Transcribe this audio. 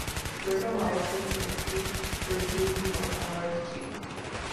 Durga Lal Ji and Pt Birju Maharaj Ji.